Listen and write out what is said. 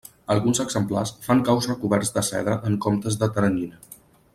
Alguns exemplars fan caus recoberts de seda en comptes de teranyina.